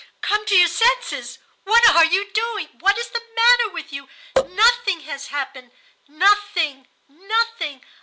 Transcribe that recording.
"'Come to your senses! What are you doing? What is the matter with you? Nothing has happened, nothing, nothing!